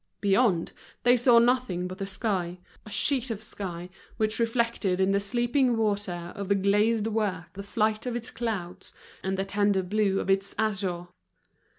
Beyond, they saw nothing but the sky, a sheet of sky, which reflected in the sleeping water of the glazed work the flight of its clouds and the tender blue of its azure.